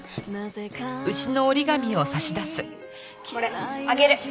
これあげる。